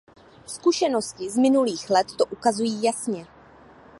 Zkušenosti z minulých let to ukazují jasně.